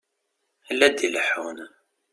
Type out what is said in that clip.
La d-ileḥḥun.